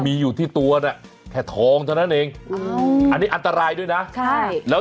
มีอยู่ที่ตัวน่ะแค่ทองเท่านั้นเองอันนี้อันตรายด้วยนะใช่แล้ว